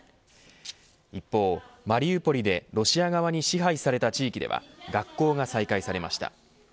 一方、マリウポリでロシア側に支配された地域では学校が再開されました。